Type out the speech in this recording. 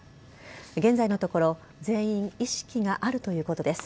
現在のところ全員、意識があるということです。